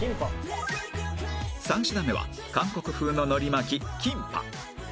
３品目は韓国風ののり巻きキンパ